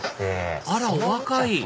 あらお若い！